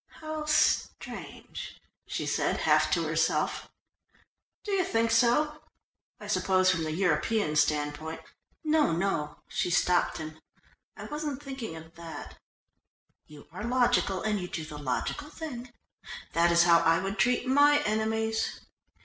"How strange!" she said, half to herself. "Do you think so? I suppose from the European standpoint " "No, no," she stopped him. "I wasn't thinking of that. You are logical and you do the logical thing. That is how I would treat my enemies."